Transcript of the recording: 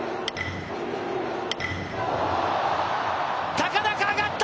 高々と上がった。